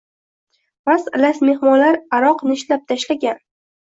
Mast-alast mehmonlar aroq nishlab tashlagan